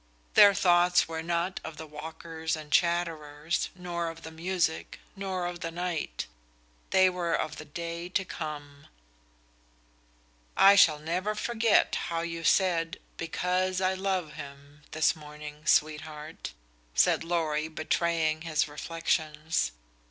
Their thoughts were not of the walkers and chatterers, nor of the music, nor of the night. They were of the day to come. "I shall never forget how you said 'because I love him,' this morning, sweetheart," said Lorry, betraying his reflections.